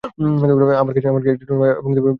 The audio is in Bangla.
আমার কাছে একটি টুনা এবং পিনাট বাটার আর জেলি আছে।